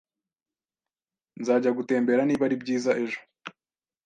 Nzajya gutembera niba ari byiza ejo.